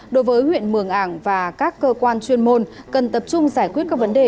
đối với huyện mường ảng và các cơ quan chuyên môn cần tập trung giải quyết các vấn đề